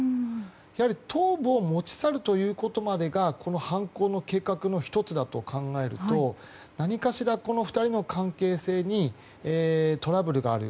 やはり頭部を持ち去るということまでがこの犯行の計画の１つだと考えると何かしら、この２人の関係性にトラブルがある。